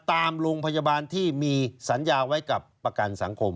ตามโรงพยาบาลที่มีสัญญาไว้กับประกันสังคม